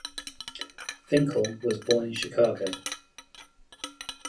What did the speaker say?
Finkel was born in Chicago.